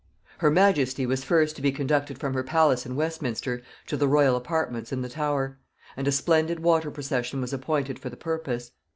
] Her majesty was first to be conducted from her palace in Westminster to the royal apartments in the Tower; and a splendid water procession was appointed for the purpose.